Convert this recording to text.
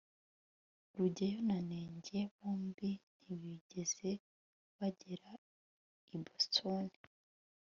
rugeyo na nenge bombi ntibigeze bagera i boston